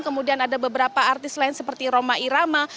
kemudian ada beberapa artis lain seperti roma irama